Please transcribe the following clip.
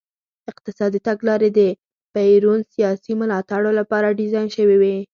اقتصادي تګلارې د پېرون سیاسي ملاتړو لپاره ډیزاین شوې وې.